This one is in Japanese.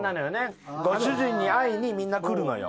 ご主人に会いにみんな来るのよ。